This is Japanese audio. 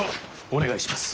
お願いします。